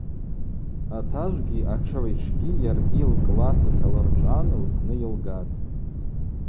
Атажвгьи атшыгӏв йтшгьи йаргьи лкӏлат йталырчӏван лпны йылгатӏ.